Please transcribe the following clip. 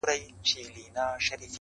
څومره چي يې مينه كړه_